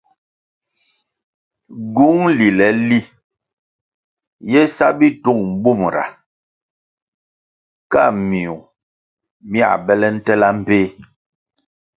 Gywúng lile li ye sa bitūng bumra ka miwuh mia bele ntela mbpéh.